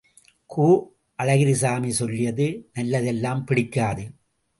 கு. அழகிரிசாமி சொல்லியது நல்லதெல்லாம் பிடிக்காது!